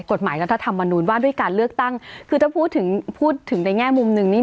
กฎหมายรัฐธรรมวันนู้นว่าด้วยการเลือกตั้งคือถ้าพูดถึงในแง่มุมหนึ่งนี่